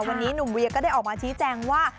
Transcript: วันนี้หนุ่มเวียก็ได้ออกมาชี้แจงว่า